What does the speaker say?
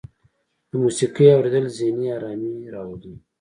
د موسیقۍ اوریدل ذهني ارامۍ راولي.